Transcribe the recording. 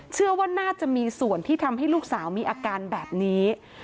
เชื่อว่าน่าจะมีส่วนที่ทำให้ลูกสาวมีอาการแบบนี้